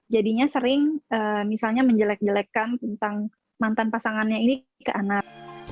jadinya sering misalnya menjelek jelekkan tentang mantan pasangannya ini ke anak